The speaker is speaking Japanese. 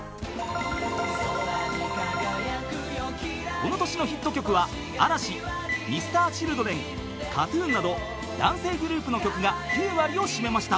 ［この年のヒット曲は嵐Ｍｒ．ＣｈｉｌｄｒｅｎＫＡＴ−ＴＵＮなど男性グループの曲が９割を占めました］